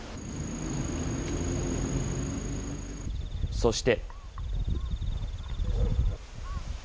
そして。